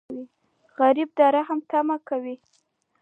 غریب د رحم تمه کوي